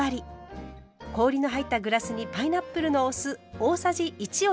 氷の入ったグラスにパイナップルのお酢大さじ１を入れます。